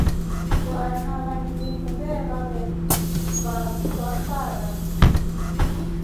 Vana va kilifu veeva vatwe fara.